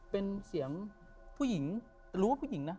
เป็นเสียงผู้หญิงหรือว่าผู้หญิงนะ